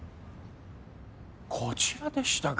こちらでしたか。